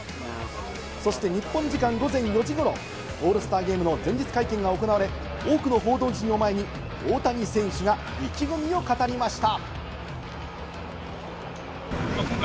そして日本時間午前４時頃、オールスターゲームの前日会見が行われ、多くの報道陣を前に大谷選手が意気込みを語りました。